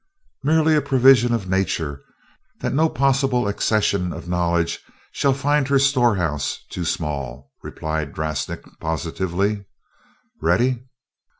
"Merely a provision of Nature that no possible accession of knowledge shall find her storehouse too small," replied Drasnik, positively. "Ready?"